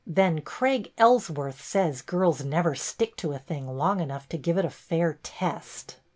Then Craig Ellsworth says girls never stick to a thing long enough to give it a fair test."